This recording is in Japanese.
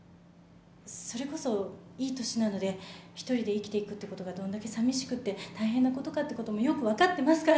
それこそいい年なので一人で生きていくってことがどんだけさみしくって大変なことかってこともよく分かってますから。